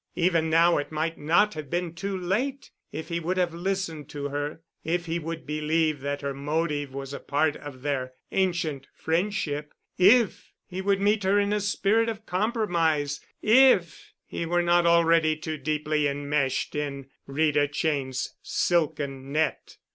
Even now it might not have been too late—if he would have listened to her, if he would believe that her motive was a part of their ancient friendship, if he would meet her in a spirit of compromise, if he were not already too deeply enmeshed in Rita Cheyne's silken net.